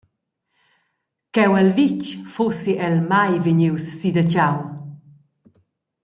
Cheu el vitg fussi el mai vegnius si da tgau.